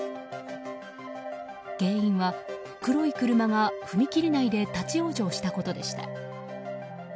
原因は黒い車が踏切内で立ち往生したことでした。